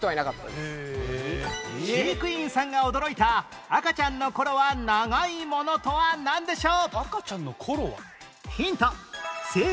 コツメカワウソの飼育員さんが驚いた赤ちゃんの頃は長いものとはなんでしょう？